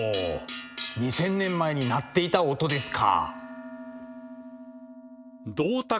２，０００年前に鳴っていた音ですか。